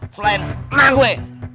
selain emak gue